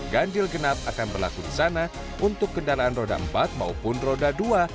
ganjil genap akan berlaku di sana untuk kendaraan roda empat maupun roda dua